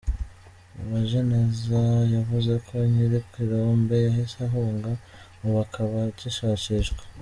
Uwajeneza yavuze ko nyir’ikirombe yahise ahunga ubu akaba agishakishwa.